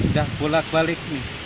udah bolak balik nih